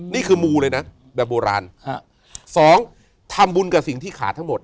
นี่คือมูเลยนะแบบโบราณฮะสองทำบุญกับสิ่งที่ขาดทั้งหมด